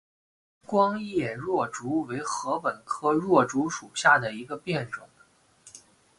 光叶箬竹为禾本科箬竹属下的一个变种。